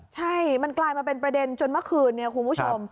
ใช่มันกลายมาเป็นประเด็นจนเมื่อคืนเนี่ยคุณผู้ชม